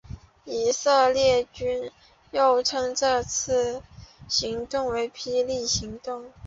以色列军方又称这次行动为霹雳行动。